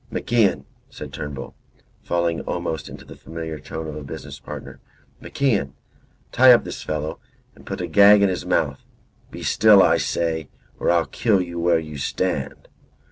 "MacIan," said Turnbull, falling almost into the familiar tone of a business partner, "MacIan, tie up this fellow and put a gag in his mouth. Be still, I say, or I kill you where you stand."